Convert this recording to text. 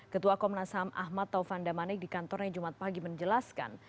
ketua komnas ham ahmad taufan damanik di kantornya jumat pagi menjelaskan